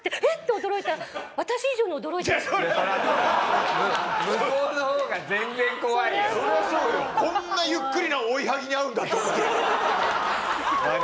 えっ？